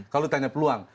kalau ditanya peluang